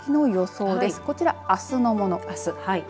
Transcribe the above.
こちら、あすのもの。